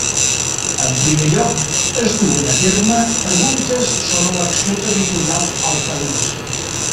En primer lloc, es duen a terme preguntes sobre acció territorial al país.